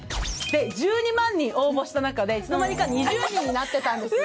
１２万人応募した中でいつの間にか２０人になってたんです。